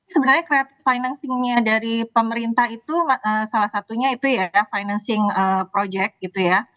sebenarnya creative financingnya dari pemerintah itu salah satunya itu ya financing project gitu ya